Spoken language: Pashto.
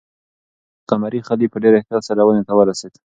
د قمرۍ خلی په ډېر احتیاط سره ونې ته ورسېد.